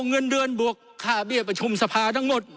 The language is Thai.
เงินเดือนบวกค่าเบี้ยประชุมสภาทั้งหมด